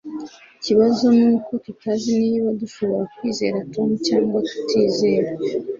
Ikibazo nuko tutazi niba dushobora kwizera Tom cyangwa tutizera.